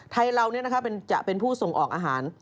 ไทยเราจะเป็นผู้ส่งออกอาหาร